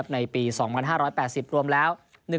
ในปี๒๕๘๐รวมแล้ว